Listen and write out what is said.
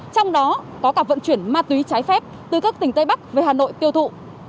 trong đó có cả vận chuyển ma túy trái phép từ các tỉnh tây bắc về hà nội tiêu thụ